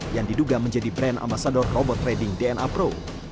yang diduga menjadi brand ambasador robot trading dna pro